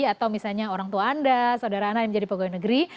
atau misalnya orang tua anda saudara anda yang menjadi pegawai negeri